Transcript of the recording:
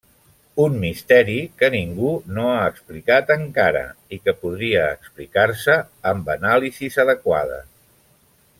Un misteri que ningú no ha explicat encara i que podria explicar-se amb anàlisis adequades.